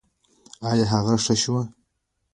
ایا هغه ښه شو؟